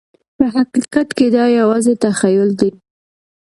په حقیقت کې دا یوازې تخیل دی.